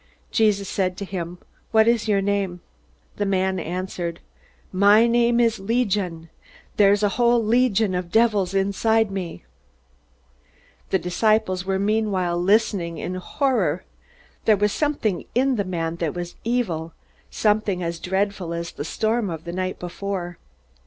Jesus said to him, "What is your name?" The man answered: "My name is Legion. There's a whole legion of devils inside me!" The disciples were meanwhile listening in horror. There was something evil in this man, something as dreadful as the storm of the night before.